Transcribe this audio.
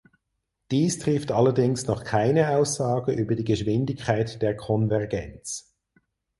Dies trifft allerdings noch keine Aussage über die Geschwindigkeit der Konvergenz.